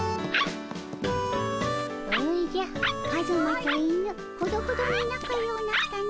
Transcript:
おじゃカズマと犬ほどほどに仲ようなったの。